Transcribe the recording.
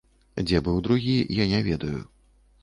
Дзе быў другі, я не ведаю.